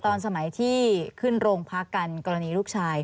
ตอนสมัยที่ขึ้นโรงพักกันกรณีลูกชาย